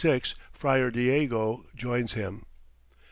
Friar Diego joins him.